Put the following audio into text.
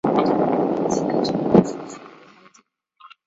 其常栖息于海底。